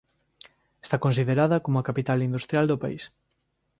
Está considerada como a capital industrial do país.